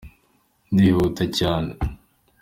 ndihuta cyane